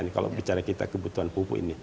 kalau bicara kita kebutuhan pupuk ini